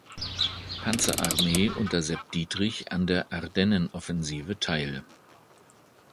Panzerarmee unter Sepp Dietrich an der Ardennenoffensive teil.